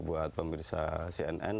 buat pemirsa cnn